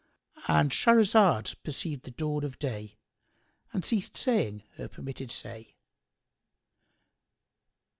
— And Shahrazad perceived the dawn of day and ceased saying her permitted say.